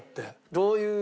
どういう？